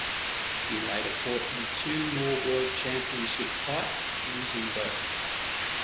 He later fought in two more world championship fights, losing both.